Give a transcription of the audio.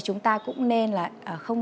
và chúng ta nên sử dụng hạn chế xà bông